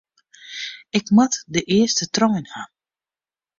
Ik moat de earste trein ha.